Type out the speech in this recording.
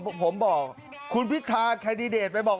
ที่ที่ผมบอกคุณพิธาคาร์ดิเดทไปบอก